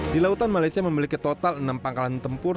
di lautan malaysia memiliki total enam pangkalan tempur